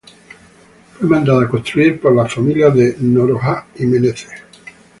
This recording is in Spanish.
Fue mandada construir por las familias de "Noronha" y "Menezes".